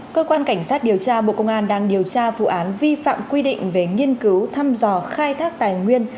cơ quan cảnh sát điều tra bộ công an đang điều tra vụ án vi phạm quy định về nghiên cứu thăm dò khai thác tài nguyên